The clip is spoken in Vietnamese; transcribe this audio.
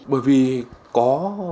bởi vì có